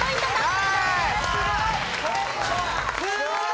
すごい！